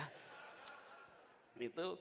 itu konsekuensi dari perjalanan ini